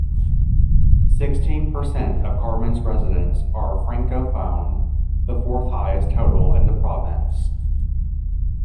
Sixteen per cent of Carman's residents are francophone, the fourth-highest total in the province.